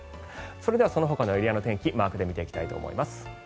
それではそのほかのエリアの天気マークで見ていきたいと思います。